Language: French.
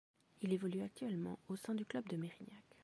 Il évolue actuellement au sein du club de Mérignac.